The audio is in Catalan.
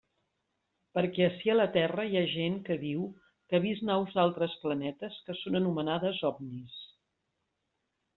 Perquè ací a la Terra hi ha gent que diu que ha vist naus d'altres planetes que són anomenades ovnis.